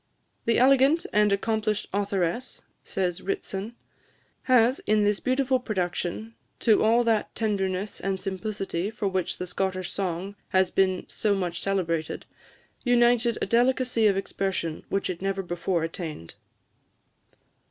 "The elegant and accomplished authoress," says Ritson, "has, in this beautiful production, to all that tenderness and simplicity for which the Scottish song has been so much celebrated, united a delicacy of expression which it never before attained."